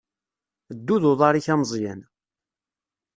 Ddu d uḍaṛ-ik a Meẓyan.